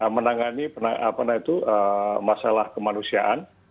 menangani masalah kemanusiaan